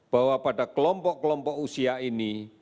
bahwa pada kelompok kelompok usia ini